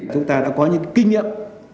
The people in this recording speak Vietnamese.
chúng ta đã có những kinh nghiệm